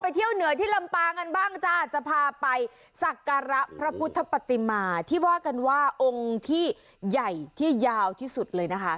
เที่ยวเหนือที่ลำปางกันบ้างจ้าจะพาไปสักการะพระพุทธปฏิมาที่ว่ากันว่าองค์ที่ใหญ่ที่ยาวที่สุดเลยนะคะ